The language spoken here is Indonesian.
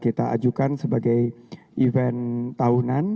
kita ajukan sebagai event tahunan